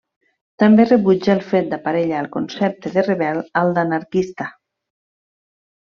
També rebutja el fet d'aparellar el concepte de rebel al d'anarquista.